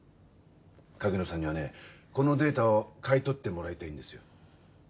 柿野さんにはねこのデータを買い取ってもらいたいんですよ。